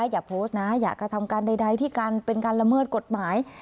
อย่าโพสต์นะอย่ากระทำการใดที่การเป็นการละเมิดกฎหมาย